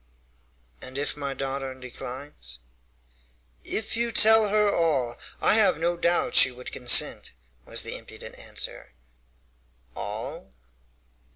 "And if my daughter declines?" "If you tell her all, I have no doubt she would consent," was the impudent answer. "All?"